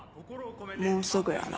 もうすぐやな。